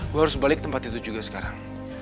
gue harus balik tempat itu juga sekarang